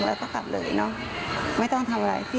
จับแล้วต้องกลับเลยเนาะไม่ต้องทำอะไรพี่